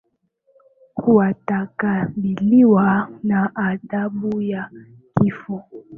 watakabiliwa na adhabu ya kifo